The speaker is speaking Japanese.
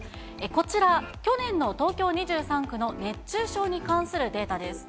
こちら、去年の東京２３区の熱中症に関するデータです。